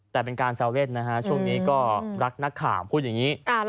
แต่เป็นการแซวเล่นนะฮะช่วงนี้ก็รักนักข่าวพูดอย่างนี้